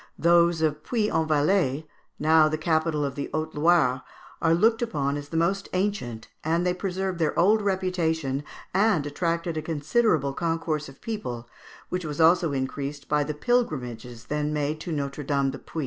Those of Puy en Velay, now the capital of the Haute Loire, are looked upon as the most ancient, and they preserved their old reputation and attracted a considerable concourse of people, which was also increased by the pilgrimages then made to Notre Dame du Puy.